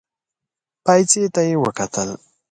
پايڅې ته يې وکتل.